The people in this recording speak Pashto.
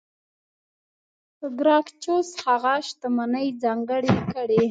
ګراکچوس هغه شتمنۍ ځانګړې کړې.